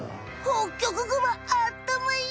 ホッキョクグマあったまいい！